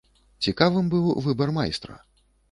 Цікавым быў выбар майстра.